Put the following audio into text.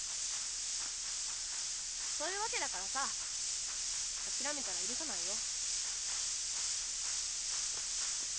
そういうわけだからさあきらめたら許さないよ。